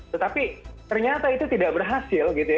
tetapi ternyata itu tidak berhasil gitu ya